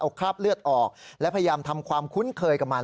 เอาคราบเลือดออกและพยายามทำความคุ้นเคยกับมัน